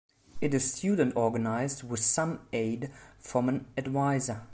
It is student-organized, with some aid from an advisor.